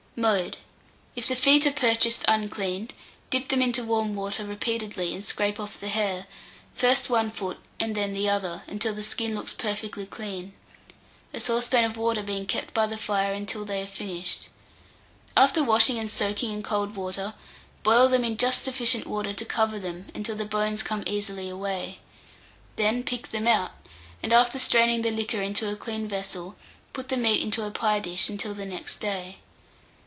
Mode. If the feet are purchased uncleaned, dip them into warm water repeatedly, and scrape off the hair, first one foot and then the other, until the skin looks perfectly clean, a saucepan of water being kept by the fire until they are finished. After washing and soaking in cold water, boil them in just sufficient water to cover them, until the bones come easily away. Then pick them out, and after straining the liquor into a clean vessel, put the meat into a pie dish until the next day.